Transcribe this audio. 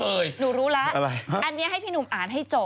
หนูรู้แล้วอันนี้ให้พี่หนุ่มอ่านให้จบ